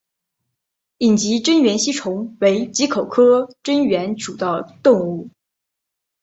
隐棘真缘吸虫为棘口科真缘属的动物。